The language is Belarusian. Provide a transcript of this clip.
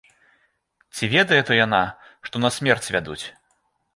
Ці ведае то яна, што на смерць вядуць?